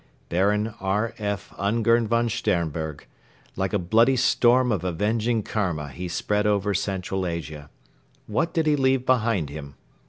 Baron R. F. Ungern von Sternberg. ... Like a bloody storm of avenging Karma he spread over Central Asia. What did he leave behind him?